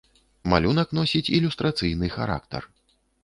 Малюнак носіць ілюстрацыйны характар.